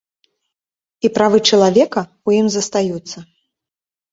І правы чалавека ў ім застаюцца.